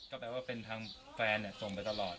ก็แปลว่าเป็นทางแฟนส่งไปตลอด